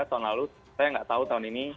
tahun lalu saya nggak tahu tahun ini